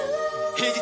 平日！